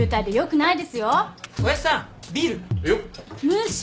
無視。